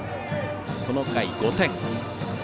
この回５点。